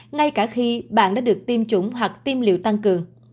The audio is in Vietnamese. ngay cả khi bạn đã được tiêm chủng hoặc tiêm liệu tăng cường